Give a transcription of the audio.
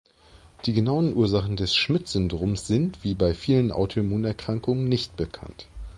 Die genauen Ursachen des Schmidt-Syndroms sind, wie bei vielen Autoimmunerkrankungen, nicht bekannt.